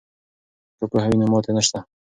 که پوهه وي نو ماتې نشته.